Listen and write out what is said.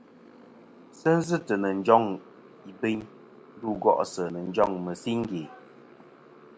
Sɨ zɨtɨ nɨ̀ njoŋ ìbɨyn ndu go'sɨ ǹ njoŋ mɨ̀siŋge.